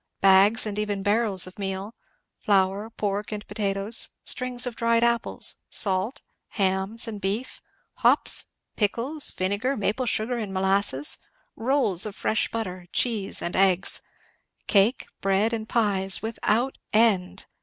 Bags and even barrels of meal, flour, pork, and potatoes; strings of dried apples, salt, hams and beef; hops, pickles, vinegar, maple sugar and molasses; rolls of fresh butter, cheese, and eggs; cake, bread, and pies, without end.